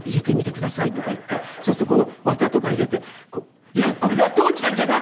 そうするとこの綿とか入れて「いやこれは父ちゃんじゃない。